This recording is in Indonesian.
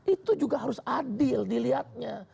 itu juga harus adil dilihatnya